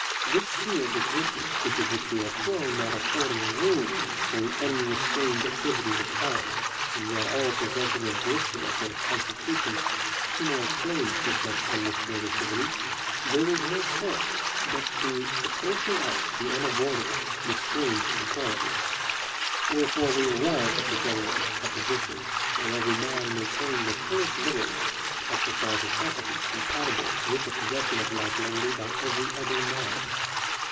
This sphere of existence into which we are thrown not affording room for the unre strained activity of all, and yet all possessing in virtue of their constitutions similar claims to such unrestrained activity, there Digitized by VjOOQIC 78 DERIVATION OF A FIB8T PRINCIPLE. is no course but to apportion out the unavoidable restraint equally. Wherefore we arrive at the general proposition, that 1 every man may claim the fullest liberty to exercise his facul ! ties compatible with the possession of like liberty by every other man.